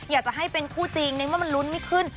อยากจะให้เป็นคู่จริงนึกว่ามันลุ้นไม่ขึ้น